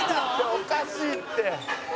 「おかしいって！」